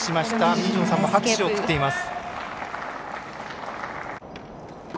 二條さんも拍手を送っています。